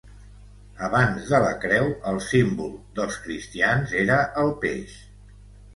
Abans de la creu el símbol dels cristians era el peix.